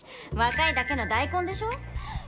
若いだけの大根でしょ。